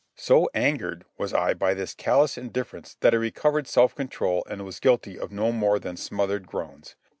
So angered was I by this callous indifference that I recovered self control and was guilty of no more than smothered groans.